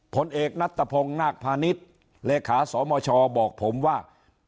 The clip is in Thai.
ผลเอกนัตตะพงศ์นาคพาณิชย์เลขาสมชบอกผมว่า